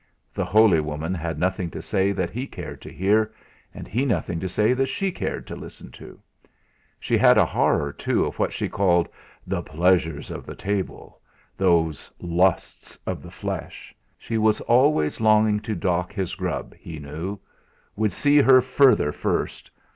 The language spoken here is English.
The holy woman had nothing to say that he cared to hear, and he nothing to say that she cared to listen to. She had a horror, too, of what she called "the pleasures of the table" those lusts of the flesh! She was always longing to dock his grub, he knew. Would see her further first!